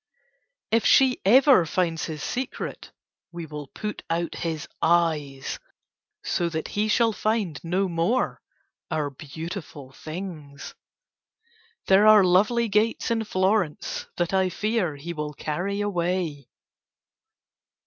If she ever finds his secret we will put out his eyes, so that he shall find no more our beautiful things there are lovely gates in Florence that I fear he will carry away.